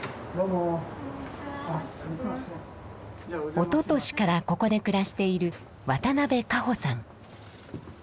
おととしからここで暮らしている渡部夏帆さん。